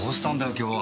今日は。